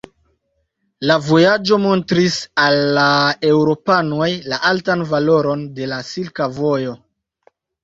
La vojaĝo montris al la eŭropanoj la altan valoron de la Silka Vojo.